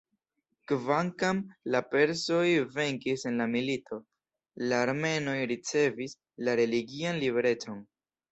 Kvankam la persoj venkis en la milito, la armenoj ricevis la religian liberecon.